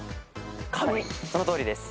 そのとおりです。